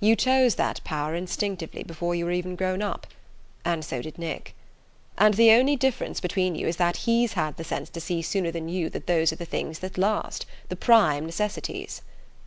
You chose that power, instinctively, before you were even grown up; and so did Nick. And the only difference between you is that he's had the sense to see sooner than you that those are the things that last, the prime necessities."